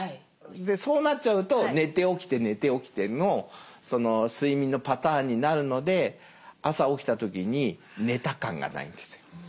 そうなっちゃうと寝て起きて寝て起きての睡眠のパターンになるので朝起きた時に「寝た感」がないんですよ。